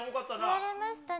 言われましたね。